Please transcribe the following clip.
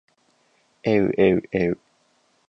えうえうえう